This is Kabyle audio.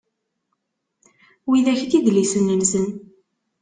Widak d idlisen-nsen.